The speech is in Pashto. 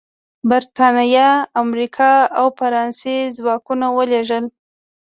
برېټانیا، امریکا او فرانسې ځواکونه ولېږل.